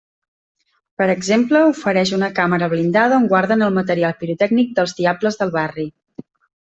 Per exemple ofereix una càmera blindada on guarden el material pirotècnic dels Diables del barri.